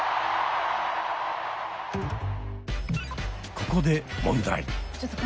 ここで問題。